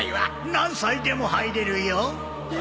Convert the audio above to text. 何歳でも入れるよ。